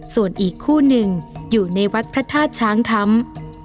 ส่วนอีกคู่หนึ่งอยู่ในวัดพระธาตุช้างคำ